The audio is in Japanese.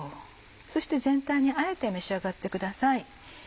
そして全体にあえて召し上がってください。